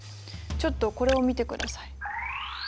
ちょっとこれを見てください。